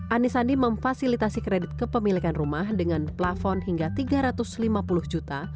anies sandi memfasilitasi kredit kepemilikan rumah dengan plafon hingga tiga ratus lima puluh juta